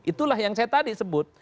itulah yang saya tadi sebut